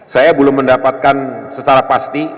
saya belum mendapatkan secara pasti